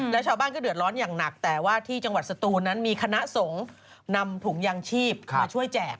แล้วชาวบ้านก็เดือดร้อนอย่างหนักแต่ว่าที่จังหวัดสตูนนั้นมีคณะสงฆ์นำถุงยางชีพมาช่วยแจก